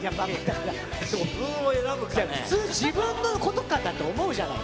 普通自分のことかと思うじゃない。